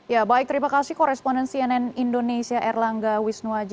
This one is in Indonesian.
ya baik terima kasih koresponden cnn indonesia erlangga wisnuaji